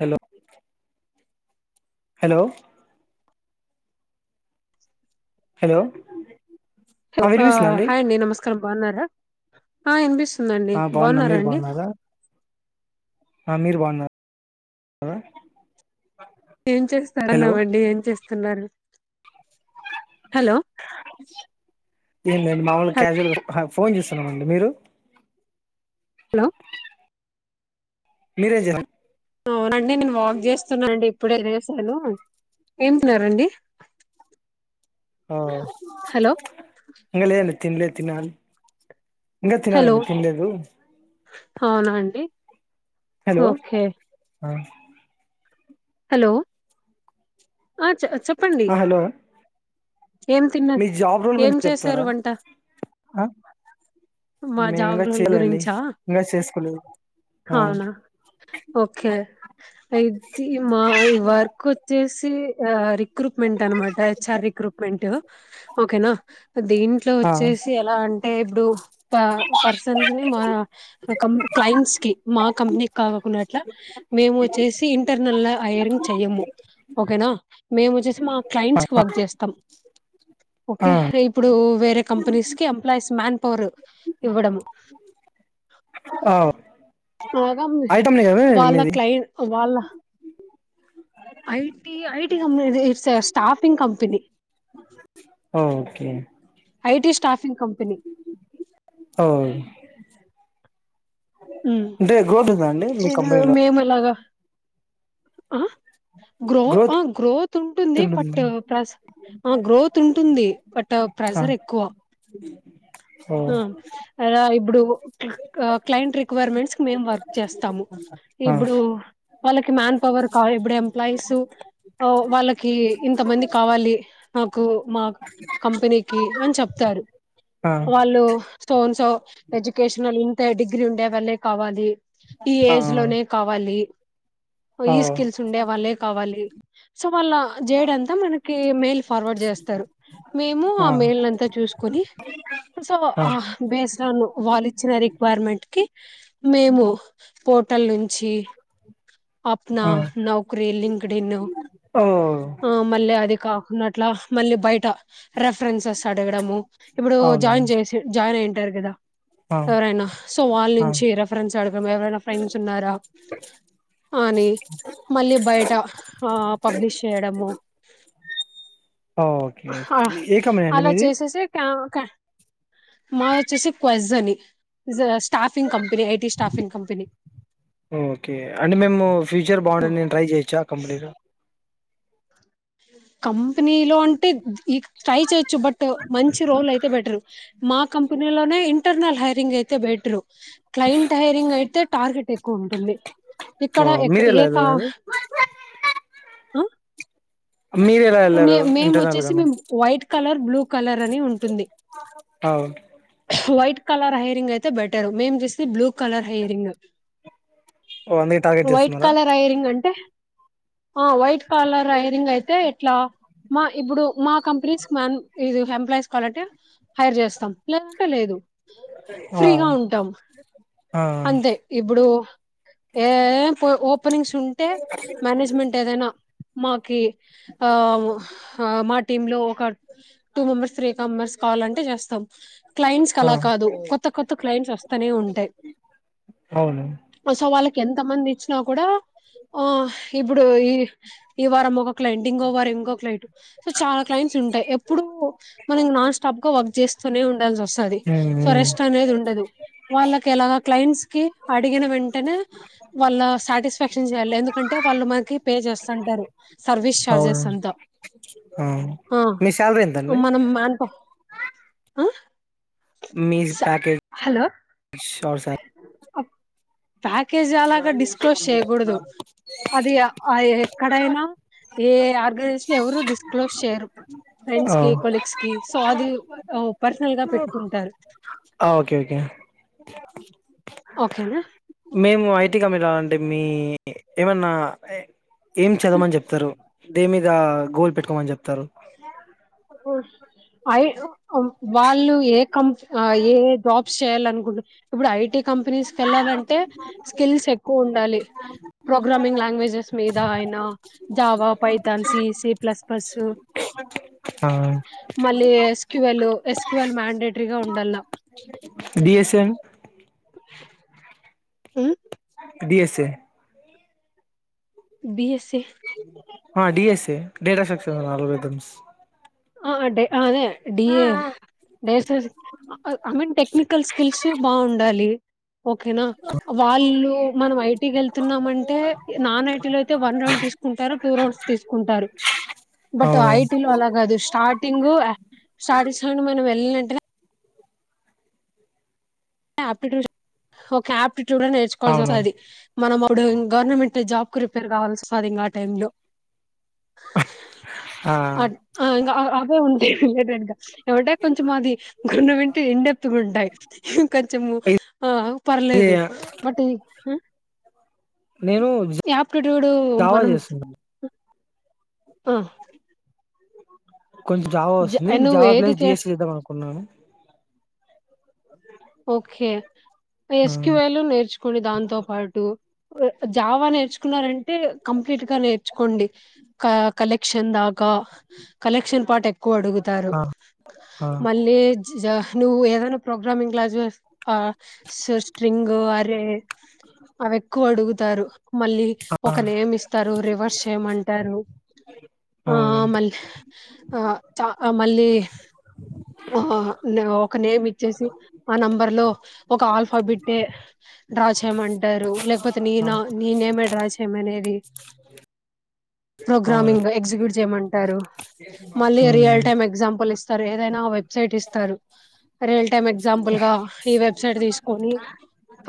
Hello hello hello hello ఆ hi అండి నమస్కారం బాన్నారా? ఆ ఇనిపిస్ తుందండి ఆ బాగున్నా బాన్నారా మీరు అండి? అ మీరు బాన్నరా? ఏం చేస్తారన్నామండి. ఏం చేస్తున్నారు? హలో ఏం లేదండి. మామూలు క్యాజువల్ గా హ ఫోన్ చూస్తున్నామండి మీరు హలో మీరేం చే అవునండి నేను వాక్ చేస్తున్నానండి ఇప్పుడే తినేశాను ఏం తిన్నారు అండి ఆ హలో ఇంకా లేదు నేను తినలేదు తినాలి ఇంకా హలో తినాలండి తినలేదు అవునా అండి ఓకే ఉమ్ హలో ఆ చె చెప్ ఆ హలో ఏం తిన్న మీ జాబ్ రోల్ ఏం గురించి చెప్తారా చేశారు వంట ఆ మా మేము జాబ్ ఇంకా రోల్ చేయలేండి గురించా ఇంకా చేసుకోలేదు ఆ అవునా ఓకే ఇది మా ఈ వర్క్ వచ్చేసి ఆ రిక్రూట్మెంట్ అనమాట హెచ్ఆర్ రిక్రూట్మెంట్ ఓకేనా దీంట్లో ఆ వచ్చేసి ఎలా అంటే ఇప్పుడు ప పర్సన్స్ ని మ కం క్లయింట్స్ కి మా కంపెనీ కాకోకుండా అట్లా మేము వచ్చేసి ఇ ఇంటర్నల్ హైరింగ్ చెయ్యము ఓకేనా మేము వచ్చేసి మా క్లయింట్స్ కి వర్క్ చేస్తాం ఆ ఓకే ఇప్పుడు వేరే కంపెనీస్ కి ఎంప్లాయిస్ మ్యాన్ పవర్ ఇవ్వడము ఆ అనగా ఐటమ్ నే కదా వాళ్ళ మీది క్లై వాళ్ళ IT IT company it's staffing company okay it is staffing company ఓ ఉమ్ అంటే గ్రోత్ ఉందా అండి మీ ఇది కంపెనీలో మేములాగా ఆ గ్రో గ్రోత్ గ్రోత్ ఉంటుంది బట్ ప్రస్ ఆ గ్రోత్ ఉంటుంది బట్ ఆ ప్రెజర్ ఎక్కువ ఓ హా అలా ఇప్పుడు క్ల క్లయింట్ రిక్వర్మెంట్స్కి మేం వర్క్ చేస్తాము ఆ ఇప్పుడు వాళ్ళకి కో వర్క్ ఆ ఇప్పుడు ఎంప్లాయిస్ ఆవ్ వాళ్ళకి ఇంత మంది కావాలి నాకు మా కంపెనీకి అని చెప్తారు ఆ వాళ్ళు సో అండ్ సో ఎడ్యుకేషనల్ ఇంతే డిగ్రీ ఉండే వాళ్ళే కావాలి ఈ ఆ ఏజ్ లోనే కావాలి ఓ ఈ స్కిల్స్ ఉండే వాళ్ళే కావాలి సో వాళ్ళ జేయడ అంతా మనకి మెయిల్ ఫార్వర్డ్ చేస్తారు మేము ఆ మెయిల్ నంత చూసుకొని సో ఆ బేస్డ్ వాళ్ళు ఇచ్చిన రిక్వైర్మెంట్ కి మేము పోర్టల్ నుంచి అప్నా ఆ నౌకరి లింక్డిన్ ఓ ఆ మళ్ళ అదిక ఉన్నట్ల మళ్ళీ బయట రిఫరెన్సెస్ అడగడము ఇప్పుడు అవును జాయిన్ చేసి జాయిన్ అయి ఆ ఎవరైనా సో వాళ్ళ ఆ నుంచి రెఫరెన్స్ అడగడం ఎవరైనా ఫ్రెండ్స్ ఉన్నారా కానీ మళ్ళీ బయట ఆ పబ్లిష్ చేయడము ఓకే హా ఓకే. ఏ కంపెనీ అండి అలా మీది చేసేసే కా క మాది వచ్చేసి క్వజ్ అని staffing company IT staffing company ము ఫ్యూచర్ బాగుండే నేను ట్రై చేయొచ్చ ఆ కంపెనీలో అ కంపెనీలో అంటే ట్రై చేయొచ్చు బట్ మంచి రోల్ అయితే బెటర్ మా కంపెనీ కంపెనీలోనే ఇంటర్నల్ హైరింగ్ అయితే బెటరు క్లైయింట్ హైరింగ్ అయితే టార్గెట్ ఎక్కువ ఉంటుంది. ఆ ఇక్కడ ఎక్ మీరెలా ఏ ఎదవది ఆ నే మేము ఇంటర్నల్ వచ్చేసి గాను మేము వైట్ కలర్, బ్లూ కలర్ అని ఉం అవు వైట్ కలర్ హెయిరింగ్ అయితే బెటర్ మేం చూస్తే బ్లూ కలర్ హెయిరింగ్. ఓ అందుకే టార్గెట్ వైట్ చేస్తున్నారా కలర్ ఐరింగ్ అంటే ఆ వైట్ కాలర్ అఐరింగ్ అయితే ఎట్లా మా ఇప్పుడు మా కంపెనీస్ మ్యాన్ ఇది ఎంప్లాయీస్ కావాలంటే హైర్ చేస్తాం. లెఫ్ట్ లేదు ఆ ఫ్రీగా ఉంటాం. ఆ అంతే ఇప్పుడు ఏ పొ ఓపెనింగ్స్ ఉంటే మేనేజ్మెంట్ ఏదైనా మాకి ఆ హ మా టీమ్ లో ఒక టూ మెంబర్స్, త్రీ మెంబర్స్ కావాలంటే చేస్తాం క్లైంట్స్ ఆ అలా కాదు కొత్త కొత్త క్లైంట్స్ వస్తనే ఉంటాయి. అవును సో వాళ్ళకి ఎంత మంది ఇచ్చినా కూడా ఆ హ ఇప్పుడు ఈ ఈ వారం ఒక క్లైంట్, ఇంకో వారం ఇంకో క్లైంట్ చాలా క్లైంట్స్ ఉంటాయి ఎప్పుడు మనం నాన్ స్టాప్ గా వర్క్ చేస్తూనే ఉండాల్సి వస్ అది మ్మ్ సొ మ్మ్ రెస్ట్ అనేది ఉండదు. వాళ్ళకి ఎలా క్లైంట్స్ కి అడిగిన వెంటనే వాళ్ళ సాటిస్ఫాక్షన్ చేయాలి ఎందుక అంటే వాళ్ళు మకి పే చేస్తంటారు సర్వీస్ చార్జెస్ అవును అంతా. ఆ మీ శాలరీ ఎంతండి మనం మెన్ ప ఆ మీజ్ ప్యాకేజీ షోర్స ప్యాకేజ్ అలాగా డిస్క్లోజ్ చేయకూడదు. అది ఆ ఎక్కడైనా ఏ ఆర్గనైజేషన్ ఎవరు డిస్క్లోజ్ చేయరు. ఫ్రెండ్స్ కి, కొలీగస్ కి సో అది ఓ పర్సనల్ గా పెట్టుకుంటారు. ఆ ఓకే ఓకే ఓకేనా మేము ఐటీ కంపెనీ రావాలంటే మీ ఏమన్నా ఏ ఏం చదవమని చెప్తారు దేని మీద గోల్ పెట్టుకోమని చెప్తారు. ఓ ఐ ఓ వ వాళ్ళు ఏ కం ఆ ఏ జాబ్ చేయాలనుకుంట ఇప్పుడు ఐటీ కంపెనీస్కి వెళ్ళాలంటే స్కిల్స్ ఎక్కువ ఉండాలి. ప్రోగ్రామింగ్ లాంగ్వేజెస్ మీద అయిన Java, Python, C C plus bus ఆ మళ్ళీ ట్వల్ ఎస్ క్యవల్ మండేటరీగా ఉండాల డిఎస్ఎం ఉ డిఎస్ఏ బీఎస్ ఆ డిఎస్ఏ డేటా సక్చర్ ఆలోబదమ్స్ ఆ డే అ అదే డిఏ డేసస్ అ ఐ మీన్ టెక్నికల్ స్కిల్స్ బాగుండాలి. ఓకేనా వాళ్ళు మనం ఐటీకి వెళ్తున్నామంటే నాన్ ఐటీ లో అయితే వన్ రౌండ్ తీసుకు ఉంటారు టూ రౌడ్స్ తీసుకుంటారు. బట్ అవును ఐటీ లో అలా కాదు. స్టార్టింగ్ స్టార్టిస్ మనం వెళ్ళినెంటనే ఆయాప్టిట్యూడ్ ఓకే ఆయాప్టిట్యూడ్ అ నేర్చుకోవాల్సి అవును వస్తది. మనం అప్పుడు గవర్నమెంట్ జాబ్కి ప్రిపేర్ కావలసి వస్తది ఇంకా ఆ టైమ్ లో. ఆ అట్ అ ఇంకా అవే ఉంటాయి వెళ్ళేటంగా ఏమంటే కొంచెం అది గున్నం వింటే ఎండెప్గా ఉంటాయి కొంచెము ఆ ఇది పర్లేదు బట్ నేను యాప్టిట్యూడు జావా మనం చేస్తున్నాను అ కొంచెం జావ వస్తుంది, నువ్వు జావా ఏది ప్లేస్ చే డీ ఎస్ చేద్దాం అనుకున్నా. ఎస్ ఆ క్యూ ఎల్ నేర్చుకోండి దాంతో పాటు, జావా నేర్చుకున్నారం అంటే కంప్లీట్ గా నేర్చుకోండి, క కలెక్షన్ దాకా కలెక్షన్ పాట్ ఎక్ కో అడుగుతారు, ఆ ఆ మళ్ళి జా నువ్వు ఏదన్న ప్రోగ్రామింగ్ క్లాసెస్ స్ స్ట్రింగ్, ఆ లే అవి ఎక్కువ అడుగుతారు. మళ్ళీ ఒక నేమ్ ఇస్తారు, రివర్స్ చేయమంటారు. ఆ మల్ ఆ చా మళ్ళీ, ఆ ఒక నేమ్ ఇచ్చేసి ఆ నెంబర్ లో ఒక ఆల్ఫాబెట్ డ్రా చేయమంటారు, లేక్ పోతే నీనా ఆ నీ నేమే డ్రా చేయమనేది అవును ప్రోగ్రామింగ్ ఎగ్జిక్యూట్ చేయమంటారు, మళ్ళీ రియల్ మ్మ్ టైమ్ ఎగ్జాంపుల్ ఇస్తారు. ఏదైనా వెబ్సైట్ ఇస్తారు, రియల్ టైమ్ ఎగ్జాంపుల్ గా ఈ వెబ్సైట్ తీసుకొని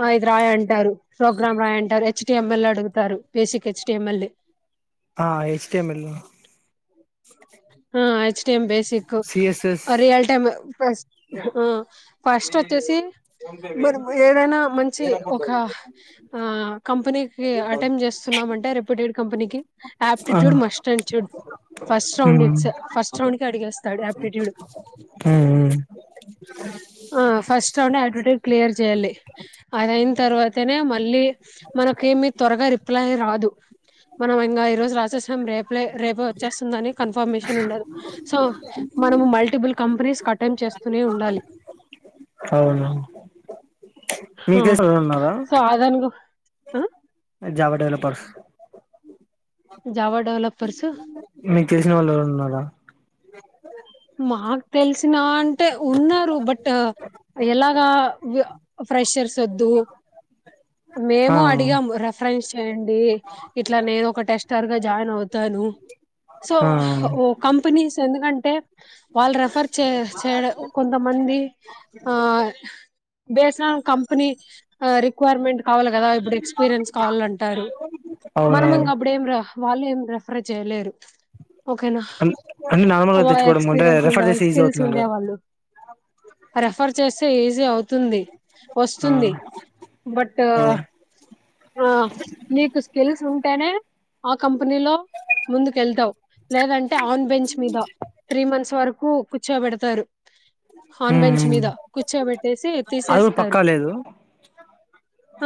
ఆ ఇది రాయంటారు, ప్రోగ్రామ్ రాయంటారు, హెచ్ టి ఎమ్ ఎల్ అడుగుతారు, basic H T M L ఆ హెచ్ టి ఎం ఎలు ఆ H T M basic, CSS real time first ఆ ఫస్ట్ వచ్చేసి మనం ఏదైనా మంచి ఒక ఆ కంపెనీకి అటెం చేస్తున్నామంటే రెప్యూటెడ్ కంపెనీకి ఆ aptitude must and should, first round it's first round కి అడిగేస్తాడు ఆప్టిట్యూడ్ ఊ ఊ ఆ ఫస్ట్ రౌండ్ యాటిట్యూడ్ క్లియర్ చెయాలి, అదయిన తర్వాతనే మళ్ళీ మనకేమి త్వరగా రిప్లై రాదు, మనం ఇంగా ఈ రోజు రాసేస్ం రేపు లే రేపే వచ్చేస్తుందని కన్ఫర్మేషన్ ఉండదు, సో మనము మల్టిపుల్ కంపెనీకి అటెం చేస్తూనే ఉండాలి. అవున ఆ సో అదన్ గు జావ డవలపర్స్ జావా డెవలపర్స్ మీకు తెలిసిన వాళ్ళు ఎవరన్న ఉన్నారా? మాకు తెలిసిన అం టే ఉన్నారు బట్, ఎలాగా వ ప్రెషర్స్ వద్దు. ఆ మేము అడిగాము రెఫరెన్స్ చేయండి, ఇట్లా నేను ఒక టెస్టర్ గా జాయిన్ అవుతా ను సో ఆ ఓ కంపెనీస్ ఎందుకంటే వాళ్ళు రెఫర్ చే చేయడం, కొంతమంది ఆ బేస్డ్ ఆన్ కంపెనీ రిక్వైర్మెంట్ కావాలి కదా, ఇప్పుడు ఎక్స్పీరియన్స్ కావాలంటారు. మనం అవునవును ఇంకా అప్పుడు ఏం ర వాళ్ళు ఏం రిఫర్ చేయలేరు. ఓకేనా అంటే నార్మల్గా వ తెచ్చుకోవడం ఎక్స్ అంటే ఎక్స్పీరియన్స్ రెఫర్ ఉండేవాళ్ళు, చేస్తే ఈజీ స్కిల్స్ అవుతుందండి ఉండే కదా వాళ్ళు, రిఫర్ చేస్తే ఈజీ అవుతుంది. ఆ వస్తుంది బట్ ఆ ఆ నీకు స్కిల్స్. టేనే ఆ కంపెనీలో ముందుకు వెళ్తావు లేదంటే, ఆన్ బెంచ్ మీద త్రీ మంత్స్ వరకు కూర్చోబెడతారు. హాన్ బెంచ్ మ్మ్ మీద కూర్చోబెట్టేసి అది కూడా తీసేస్తారు. పక్కా లేదు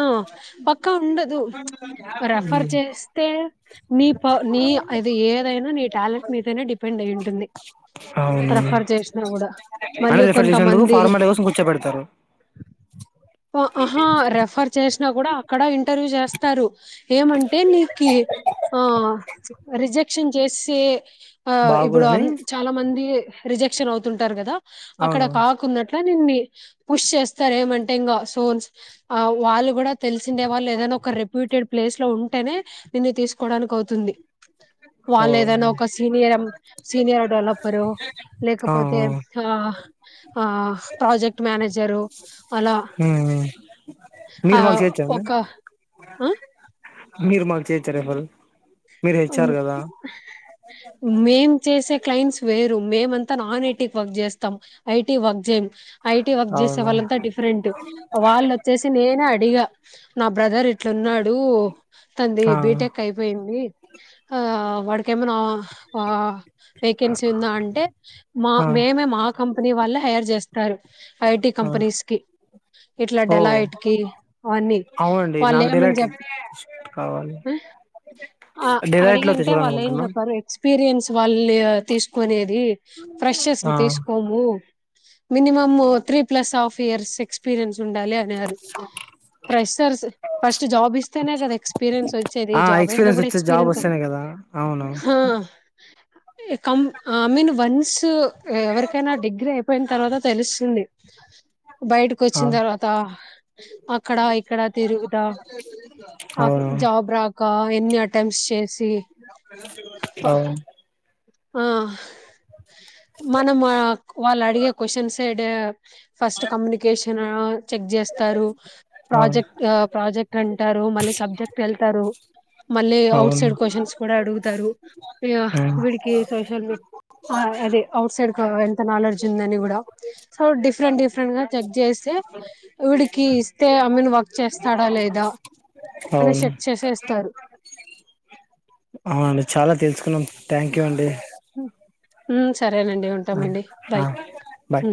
ఆ పక్క ఉండదు, ప్చ్ రెఫర్ ఉమ్ చేస్తే నీ ప నీ అది ఏదైనా నీ టాలెంట్ మీదేనా డిపెండ్ అయి ఉంటుంది. అవును రెఫర్ చేసినా కూడా అంటె మళ్ళీ రిఫర్ చేసినందుకు కొంతమంది ఫార్మాలిటీ కోసం కూర్చోబెడతారు. ఆహా రెఫర్ చేసినా కూడా అక్కడ ఇంటర్వ్యూ చేస్తారు ఏమంటే నీకు ఆ రిజెక్షన్ చేసే ఆ ఇప్పుడు బాగోదని చాలా మంది రిజెక్షన్ అవుతుంటారు కదా అక్కడ అవును కాకున్నట్టు అట్లా నిన్నన్ని పుష్ చేస్తారు ఏమంటే టెంగా సోన్స్ ఆ వాళ్ళు కూడా తెలిసిందే వాళ్ళు ఏదైనా ఒక రెప్యూటెడ్ ప్లేస్ లో ఉంటేనే నిన్ను తీసుకోవడానికి అవుతుంది ఓ వాళ్ళు ఏదైనా ఒక సీనియర్ సీనియర్ డెవలపరు లేకపోతే ఆ ఆ ప్రాజెక్ట్ మేనేజరు అలా ఉమ్ ఆ మీరు మాకు చేయొచ్చాండి ఒక ఆ మీరు మాకు చేయచ్చారు ఎవరు మీరు హెచ్చారు ఉమ్, కదా మేం చేసే క్లయింట్స్ వేరు మేమంతా నాన్ ఐటీ వర్క్ చేస్తాం ఐటీ వర్క్ చేం ఐటి వర్క్ చేసే అవును వాళ్ళంతా డిఫరెంట్ వాళ్ళు వచ్చేసి నేనే అడిగా నా బ్రదర్ ఇట్లున్నాడు తనది ఆ బీటెక్ అయి ఆ వాడకేమనా ఆ వేకెన్సీ ఉందా అంటే మా ఆ మేమే మా కంపెనీ వాళ్ళ హైర్ చేస్తారు ఐటి ఆ కంపెనీస్కి ఇట్లా ఓ డిలైట్ కీ అవన్నీ అవునండి వాళ్ళు నాకు ఏమని డిలైట్ చెప్ప కావాలి ఆ డిలైట్ లో అడిగంటే వాళ్ళు ఏం తెచ్చుకోవాలనుకుంటున్నా చెప్పారు ఎక్స్పీ రియన్స్ వాళ్ళ తీసుకునేది ఫ్రెషస్ ఆ తీసుకోము minimum three plus half years experience ఉండాలి అన్నారు ఫ్రెష్ర్స్ ఫస్ట్ జాబ్ ఇస్తేనే కదా ఎక్స్పీరియన్స్ వచ్చే దీ ఆ జాబ్ ఎక్స్పీరియన్స్ వచ్చే జాబ్ ఎక్స్పీరియన్స్ వస్తేనే కదా అవును క ఐ మీన్ వన్స్ ఎవరికైనా డిగ్రీ అయిపోయిన తర్వాత తెలుస్తుంది బయటకు ఆ వచ్చిన తర్వాత అక్కడ ఇక్కడ తిరుగుదా అవును ఎన్ని అటెంప్ట్స్ చేసి అవును ఆ మనం వాళ్ళు అడిగే క్వశ్చన్ సడ్ ఫస్ట్ కమ్యూనికేషన్ చెక్ చేస్తారు అవును ప్రాజెక్ట్ ప్రాజెక్ట్ అంటే టారు మళ్ళీ సబ్జెక్ట్ వెళ్తారు మళ్ళీ అఔట్ అవును సైడ్ క్వశ్చన్స్ కూడా అడుగుతారు అవును వీడికి సోషల్ ఆ అదే అఔట్ సైడ్ కీ ఎంత నాలెడ్జ్ ఉందని కూడా సో డిఫరెంట్ డిఫరెంట్ గా చెక్ చేస్తే వీడికి ఇస్తే ఐ మీన్ వర్క్ చేస్తాడా లేదా అని అవును చేస్కెస్తారు అవునండి చాలా తెలుసుకున్నాం థ్యాంక్ యూ అండి ఉమ్ సరేనండి ఆ ఉంటామండి బాయ్ ఆ బాయ్